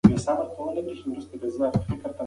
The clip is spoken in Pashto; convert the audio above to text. ایا د انلاین مشاعرو لپاره بلنه ورکول کیږي؟